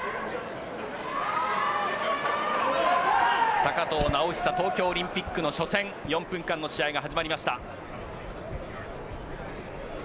高藤直寿東京オリンピックの初戦４分間の試合が始まりました。